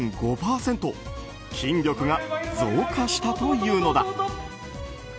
筋力が増加したというのだ。